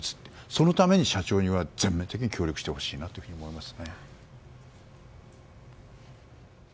そのために社長には全面的に協力してほしいと思います。